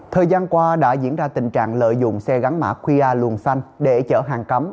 thời gian qua đã diễn ra tình trạng lợi dụng xe gắn mã qa luồn xanh để chở hàng cắm